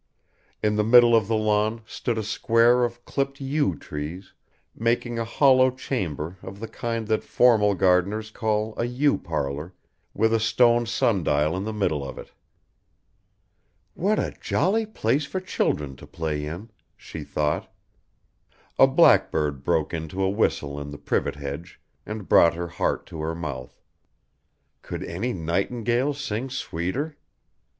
In the middle of the lawn stood a square of clipped yew trees, making a hollow chamber of the kind that formal gardeners call a yew parlour, with a stone sundial in the middle of it. "What a jolly place for children to play in," she thought. A blackbird broke into a whistle in the privet hedge and brought her heart to her mouth. Could any nightingale sing sweeter?